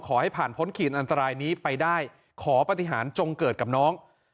ขอให้ผ่านพ้นขีดอันตรายนี้ไปได้ขอปฏิหารจงเกิดกับน้อง